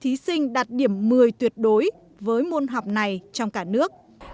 thí sinh đạt điểm một mươi tuyệt đối với môn học này trong cả nước